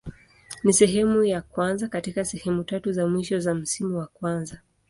Ni sehemu ya kwanza katika sehemu tatu za mwisho za msimu wa kwanza.